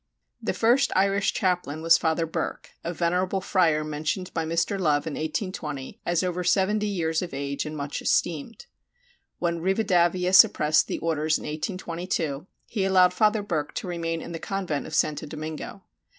The first Irish chaplain was Father Burke, a venerable friar mentioned by Mr. Love in 1820 as over 70 years of age and much esteemed. When Rivadavia suppressed the Orders in 1822, he allowed Father Burke to remain in the convent of Santo Domingo.